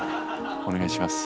お願いします。